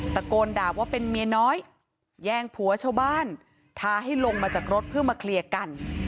ตะโกนด่าว่าเป็นเมียน้อยแย่งผัวชาวบ้านท้าให้ลงมาจากรถเพื่อมาเคลียร์กัน